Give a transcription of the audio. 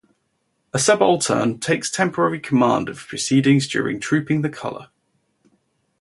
A subaltern takes temporary command of proceedings during Trooping the Colour.